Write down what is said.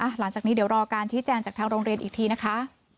หลังจากนี้เดี๋ยวรอการชี้แจงจากทางโรงเรียนอีกทีนะคะ